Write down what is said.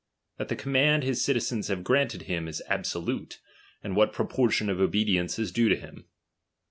That the command his citizens have granted is absolute, and what proportion of obedience is due to him.